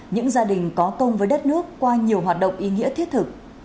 những gia đình có công với đất nước qua nhiều hoạt động ý nghĩa thiết thực